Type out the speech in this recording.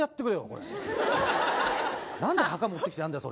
これ何で墓持ってきてやんだよ